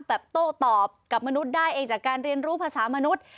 โต้ตอบกับมนุษย์ได้เองจากการเรียนรู้ภาษามนุษย์